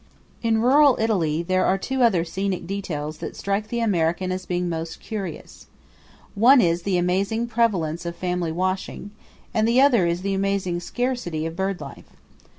In rural Italy there are two other scenic details that strike the American as being most curious one is the amazing prevalence of family washing, and the other is the amazing scarcity of birdlife.